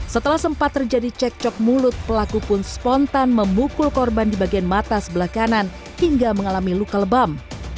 setelah sempat terjadi cek cok mulut pelaku pun spontan memukul korban di bagian mata sebelah kanan hingga mengalami luka lebam